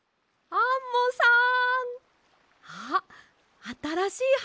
アンモさん！